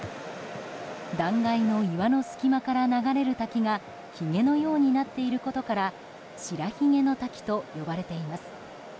断崖の岩の隙間から流れる滝がひげのようになっていることから白ひげの滝と呼ばれています。